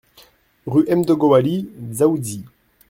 Rue M'Dogo Oili, Dzaoudzi